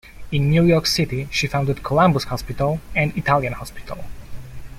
In New York City, she founded Columbus Hospital and Italian Hospital.